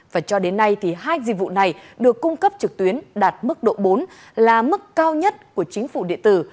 và cho đến nay thì hai dịch vụ này được cung cấp trực tuyến đạt mức độ bốn là mức cao nhất của chính phủ địa tử